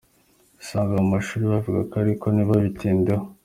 Usanga mu mashuri babivugaho ariko ntibabitindeho.